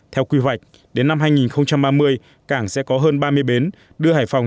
theo quy vạch đến năm hai nghìn ba mươi cảng sẽ có hơn ba mươi bến